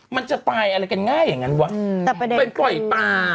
มันจะตายอะไรกันง่ายบ๋อยปลา